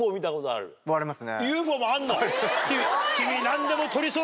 あります。